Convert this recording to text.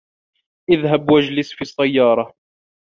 اذهب و اجلس في السّيّارة.